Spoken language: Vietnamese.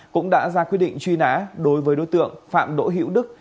cũng đã ra quyết định truy nã đối với đối tượng phạm đỗ hữu đức